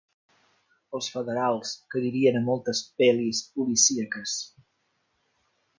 Els federals, que dirien a moltes pel·lis policíaques.